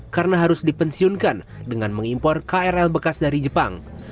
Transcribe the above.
karena harus dipensiunkan dengan mengimpor krl bekas dari jepang